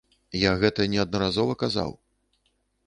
Я гэта неаднаразова казаў.